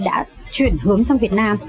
đã chuyển hướng sang việt nam